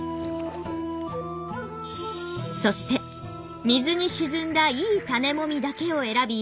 そして水に沈んだいい種籾だけを選び